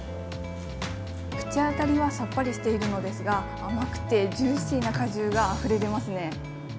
口当たりはさっぱりしているのですが、甘くてジューシーな果汁があふれ出ますね。